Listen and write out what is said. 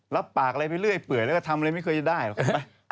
รับปากอะไรไปเรื่อยเปื่อยละก็ทำอันเนี่ยไม่เคยได้หรอ